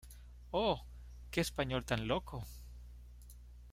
¡ oh!... ¡ qué español tan loco!